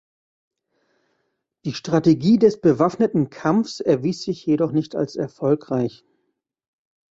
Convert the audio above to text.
Die Strategie des bewaffneten Kampfs erwies sich jedoch nicht als erfolgreich.